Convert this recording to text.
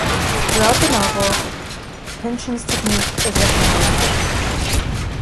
Throughout the novel, Pynchon's technique is recognizable.